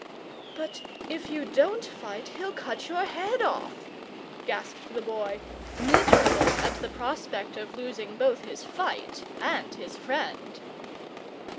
"But if you don't fight he'll cut your head off!" gasped the Boy, miserable at the prospect of losing both his fight and his friend.